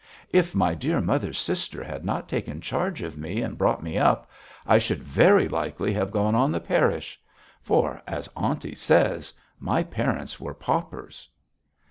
If my dear mother's sister had not taken charge of me and brought me up, I should very likely have gone on the parish; for as aunty says my parents were paupers.'